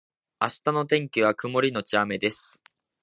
明日の天気は曇りのち雨です